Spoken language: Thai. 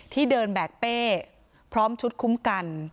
ที่เดินแบกเป้พร้อมชุดคุ้มกัน